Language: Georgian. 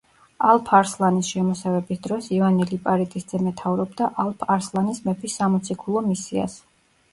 ალფ-არსლანის შემოსევების დროს ივანე ლიპარიტის ძე მეთაურობდა ალფ-არსლანის მეფის სამოციქულო მისიას.